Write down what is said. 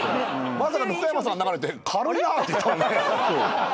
まさかの福山さん流れて軽いなって言ったもんね。